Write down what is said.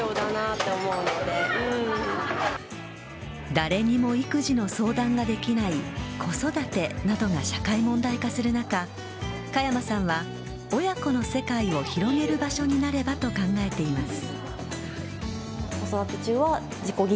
誰にも育児の相談ができない孤育てなどが社会問題化する中佳山さんは親子の世界を広げる場所になればと考えています。